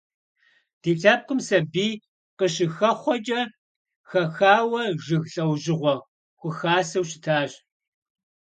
Ди лъэпкъым сабий къыщыхэхъуэкӀэ хэхауэ жыг лӀэужьыгъуэ хухасэу щытащ.